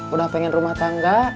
udah pengen rumah tangga